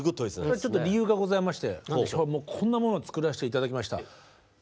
ちょっと理由がございましてこんなものを作らせて頂きました。